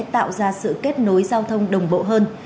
tạo ra sự kết nối giao thông đồng bộ hơn